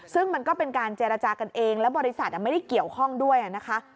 ซึ่งมันก็เป็นการเจรจากันเองแล้วบริษัทไม่ได้เกี่ยวข้องด้วยนะคะ